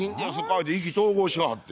言うて意気投合しはって。